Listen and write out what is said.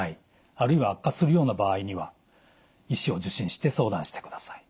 あるいは悪化するような場合には医師を受診して相談してください。